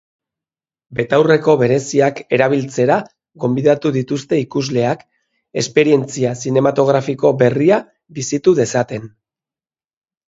Betaurreko bereziak erabiltzera gonbidatu dituzte ikusleak, esperientzia zinematografiko berria bizitu dezaten.